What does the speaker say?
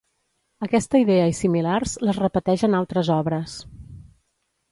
Aquesta idea i similars, les repeteix en altres obres.